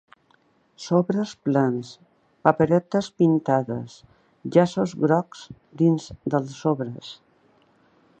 Sobres plens, paperetes pintades, llaços grocs dins dels sobres.